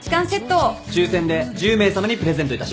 抽選で１０名さまにプレゼントいたします。